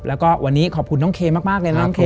แล้วก็วันนี้ขอบคุณน้องเคมากเลยน้องเค